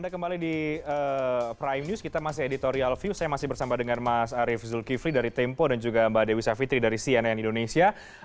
real view saya masih bersama dengan mas arief zulkifli dari tempo dan juga mbak dewi savitri dari cnn indonesia